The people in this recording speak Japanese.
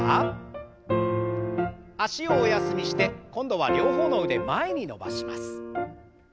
脚をお休みして今度は両方の腕前に伸ばします。